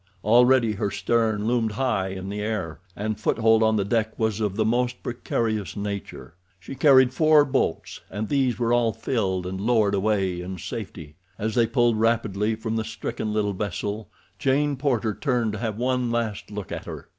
Already her stern loomed high in the air, and foothold on the deck was of the most precarious nature. She carried four boats, and these were all filled and lowered away in safety. As they pulled rapidly from the stricken little vessel Jane Porter turned to have one last look at her.